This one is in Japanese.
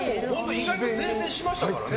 意外と善戦しましたからね。